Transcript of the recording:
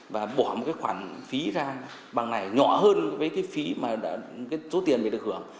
và bỏ một khoản phí ra bằng này nhỏ hơn với cái phí mà số tiền bị được hưởng